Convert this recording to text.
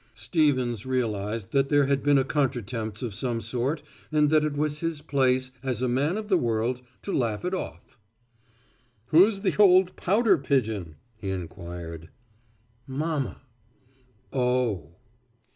Stevens realized that there had been a contretemps of some sort and that it was his place, as a man of the world, to laugh it off. "Who's the old pouter pigeon?" he inquired. "Mama." "Oh!"